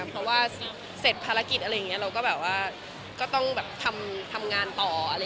เพราะว่าเสร็จภารกิจเราก็ต้องทำงานต่อ